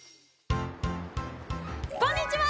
こんにちは。